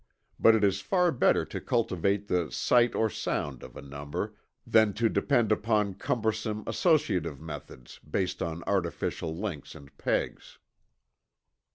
But it is far better to cultivate the "sight or sound" of a number, than to depend upon cumbersome associative methods based on artificial links and pegs.